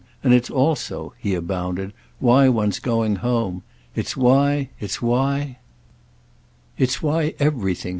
And it's also"—he abounded—"why one's going home. It's why, it's why—" "It's why everything!"